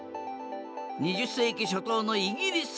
２０世紀初頭のイギリス。